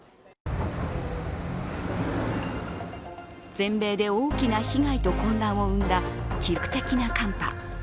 全米で大きな被害と混乱を生んだ記録的な寒波。